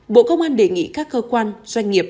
bộ công an đề nghị các cơ quan doanh nghiệp